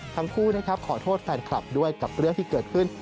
ทั้งคู่นะครับขอโทษแฟนคลับด้วยกับเรื่องที่เกิดขึ้น